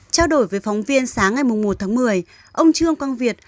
trao đổi với phóng viên sáng ngày một tháng một mươi ông trương quang việt